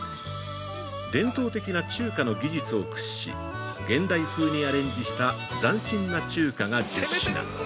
伝統的な中華の技術を駆使し現代風にアレンジした斬新な中華が１０品。